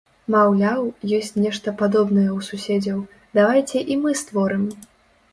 Маўляў, ёсць нешта падобнае ў суседзяў, давайце і мы створым!